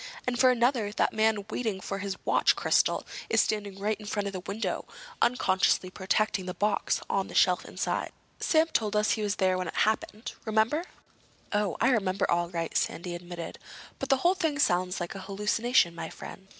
And, for another, that man waiting for his watch crystal is standing right in front of the window, unconsciously protecting the box on the shelf inside. Sam told us he was there when it happened. Remember?" "Oh, I remember all right," Sandy admitted. "But the whole thing sounds like a hallucination, my friend.